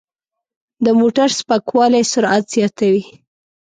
د موټر سپکوالی سرعت زیاتوي.